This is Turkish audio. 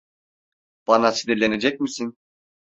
Bana sinirlenecek misin?